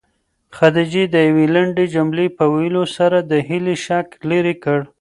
خدیجې د یوې لنډې جملې په ویلو سره د هیلې شک لیرې کړ.